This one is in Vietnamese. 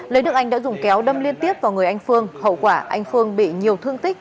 lê đức anh đã dùng kéo đâm liên tiếp vào người anh phương hậu quả anh phương bị nhiều thương tích